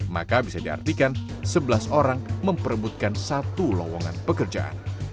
maka bisa diartikan sebelas orang memperebutkan satu lowongan pekerjaan